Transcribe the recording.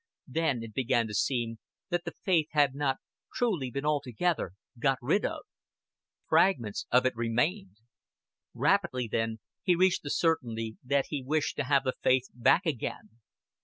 Then it began to seem that the faith had not truly been altogether got rid of. Fragments of it remained. Rapidly then he reached the certainty that he wished to have the faith back again.